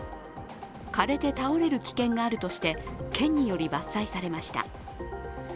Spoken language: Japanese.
枯れて倒れる危険があるということで、県により伐採されました。